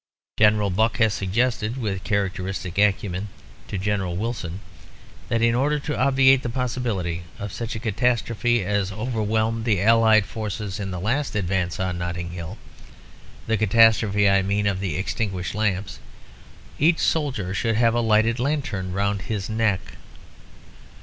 General Buck has suggested, with characteristic acumen, to General Wilson that, in order to obviate the possibility of such a catastrophe as overwhelmed the allied forces in the last advance on Notting Hill (the catastrophe, I mean, of the extinguished lamps), each soldier should have a lighted lantern round his neck.